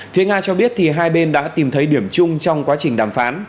thế nga cho biết thì hai bên đã tìm thấy điểm chung trong quá trình đàm phán